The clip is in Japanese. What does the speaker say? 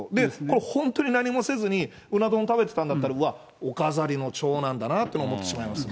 これ、本当に何もせずに、うな丼食べてたんだったら、お飾りの長なんだなと思ってしまいますよね。